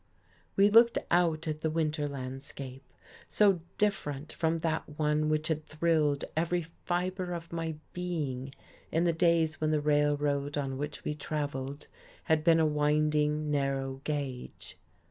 We looked out at the winter landscape, so different from that one which had thrilled every fibre of my being in the days when the railroad on which we travelled had been a winding narrow gauge.